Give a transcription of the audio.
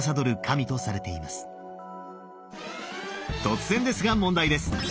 突然ですが問題です！